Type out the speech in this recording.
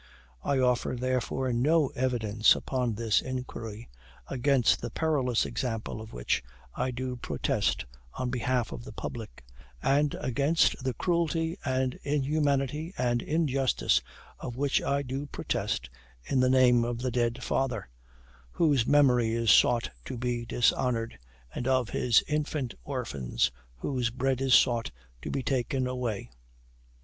I offer, therefore, no evidence upon this inquiry, against the perilous example of which I do protest on behalf of the public, and against the cruelty and inhumanity and injustice of which I do protest in the name of the dead father, whose memory is sought to be dishonored, and of his infant orphans, whose bread is sought to be taken away.